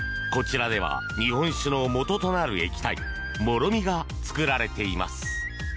こちらでは日本酒のもととなる液体もろみが造られています。